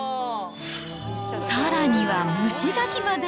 さらには蒸しガキまで。